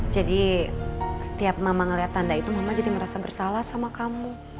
jadi setiap mama ngeliat tanda itu mama jadi merasa bersalah sama kamu